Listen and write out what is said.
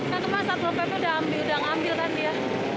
kan kemarin satpol ppd udah ngambil kan dia